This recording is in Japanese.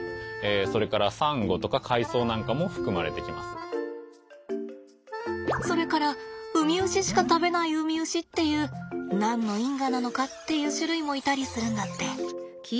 具体的にはそれからウミウシしか食べないウミウシっていう何の因果なのかっていう種類もいたりするんだって。